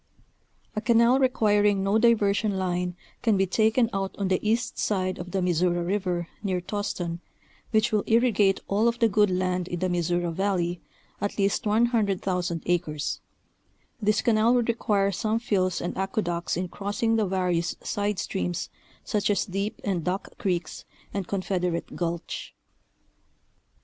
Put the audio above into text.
A canal requiring no diversion line can be taken out on the east side of the Missouri River near Toston, which will irrigate all of the good land in the Missouri Valley, at least 100,000 acres, This canal would require some fills and aqueducts in crossing the various side steams such as Deep and Duck Creeks, and Confed erate Gulch.